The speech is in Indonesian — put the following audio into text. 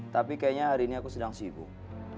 tapi kayaknya hari ini aku sedang sibuk